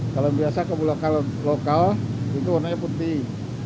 kalau biasa kalau lokal itu warnanya putih